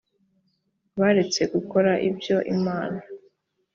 baretse gukora ibyo imana